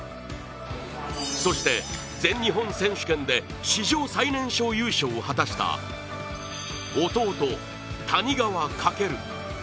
そして、全日本選手権で史上最年少優勝を果たした弟・谷川翔。